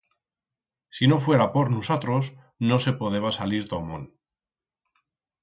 Si no fuera por nusotros no se podeba salir ta o mont.